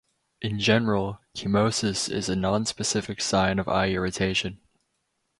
In general, chemosis is a nonspecific sign of eye irritation.